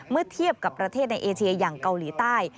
เมื่อเทียบกับประเทศในเอเชียอย่างเกาหลีใต้